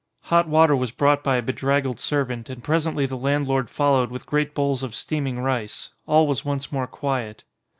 Hot water was brought by a bedraggled servant, and presently the landlord followed with great bowls of steaming rice. All was once more quiet.